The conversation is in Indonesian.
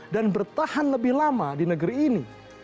dan bertahan lebih lama di negeri ini